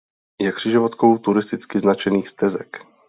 Je křižovatkou turisticky značených stezek.